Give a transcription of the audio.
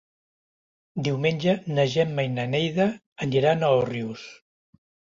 Diumenge na Gemma i na Neida aniran a Òrrius.